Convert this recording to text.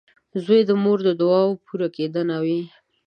• زوی د مور د دعاګانو پوره کېدنه وي.